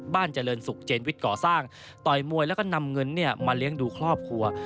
เจริญศุกร์เจนวิทย์ก่อสร้างต่อยมวยแล้วก็นำเงินมาเลี้ยงดูครอบครัว